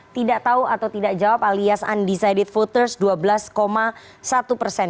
tidak tahu atau tidak jawab alias undecided voters dua belas satu persen